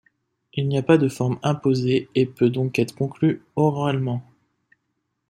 Il n'a pas de forme imposée et peut donc être conclu oralement.